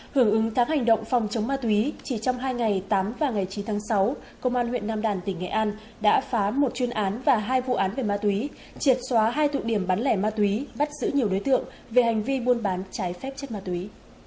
hưởng ứng tháng hành động phòng chống ma túy chỉ trong hai ngày tám và ngày chín tháng sáu công an huyện nam đàn tỉnh nghệ an đã phá một chuyên án và hai vụ án về ma túy triệt xóa hai tụ điểm bán lẻ ma túy bắt giữ nhiều đối tượng về hành vi buôn bán trái phép chất ma túy